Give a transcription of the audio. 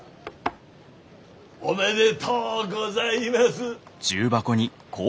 おめでとうございます。